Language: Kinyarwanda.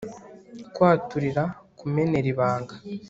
kwaturira kumenera ibanga